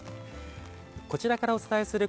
こちらからお伝えする